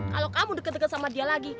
kalau kamu deket deket sama dia lagi